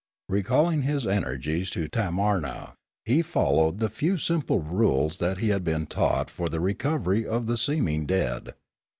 Recalling his energies to Tamarna, he followed the few simple rules that he had been taught for the recovefy of the seeming dead.